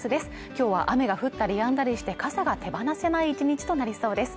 今日は雨が降ったりやんだりして傘が手放せない１日となりそうです